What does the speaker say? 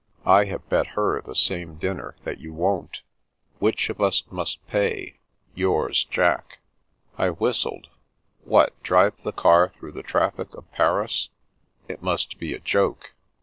I have bet her the same dinner that you won't. Which of us must pay? — ^Yours, Jack." I whistled. What, drive the car through the traffic of Paris? It must be a joke.